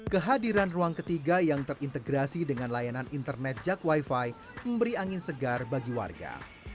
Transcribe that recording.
kehadiran ruang ketiga yang terintegrasi dengan layanan internet jak wifi memberi angin segar bagi warga